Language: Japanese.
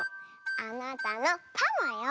あなたのパマよ。